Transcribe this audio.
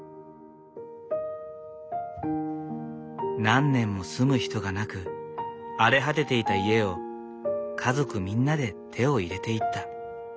何年も住む人がなく荒れ果てていた家を家族みんなで手を入れていった。